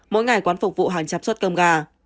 mỗi ngày quán phục vụ hàng trăm suất cơm gà